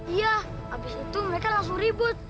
iya abis itu mereka langsung ribut